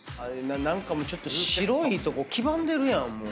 何かもうちょっと白いとこ黄ばんでるやん。